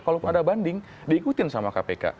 kalaupun ada banding diikutin sama kpk